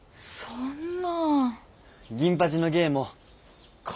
そんな！